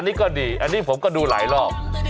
อันนี้ก็ดีอันนี้ผมก็ดูหลายรอบ